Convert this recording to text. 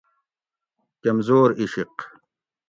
کمزور عِشق